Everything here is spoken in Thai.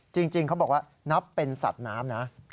จริงเขาบอกว่านับเป็นสัตว์น้ำนะ